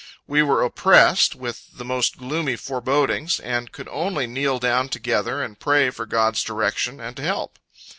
We were oppressed with the most gloomy forebodings, and could only kneel down together and pray for God's direction and help.